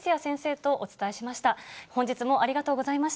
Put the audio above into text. どうもありがとうございまし